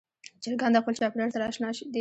چرګان د خپل چاپېریال سره اشنا دي.